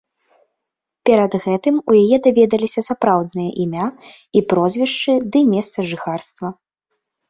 Перад гэтым у яе даведаліся сапраўдныя імя і прозвішча ды месца жыхарства.